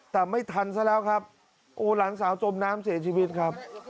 แต่ไม่ทันซะแล้วครับโอ้หลานสาวจมน้ำเสียชีวิตครับ